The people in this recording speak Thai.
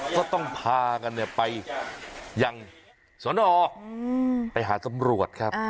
ก็ต้องพากันเนี้ยไปยังสวนอ๋ออืมไปหาตำรวจครับอ่า